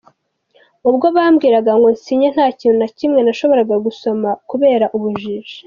Ubwo bambwiraga ngo nsinye nta kintu na kimwe nashoboraga gusoma kubera ubujiji.